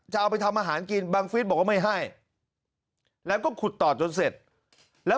จะเอาไปทำอาหารกินบังฟิศบอกว่าไม่ให้แล้วก็ขุดต่อจนเสร็จแล้ว